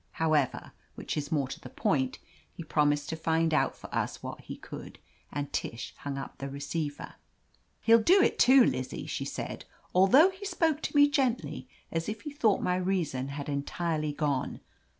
However, which is more to the point, he promised to find out for us what he could, and Tish hung up the receiver. "He'll do it, too, Lizzie," she said, "although he spoke to me gently, as if he thought my reason had entirely gone.